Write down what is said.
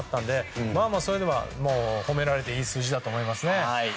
それでも褒められていい数字だと思います。